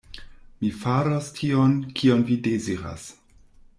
Mi faros tion, kion vi deziras.